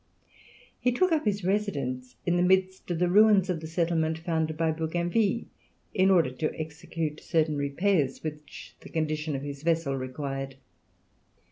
He took up his residence in the midst of the ruins of the settlement founded by Bougainville, in order to execute certain repairs which the condition of his vessel required.